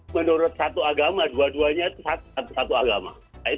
menurut satu agama dua duanya itu satu agama